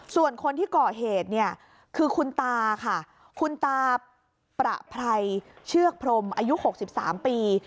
ส่วนคนที่ก่อเหตุเนี่ยคือคุณตาค่ะคุณตาประไพรเชือกพรมอายุ๖๓ปี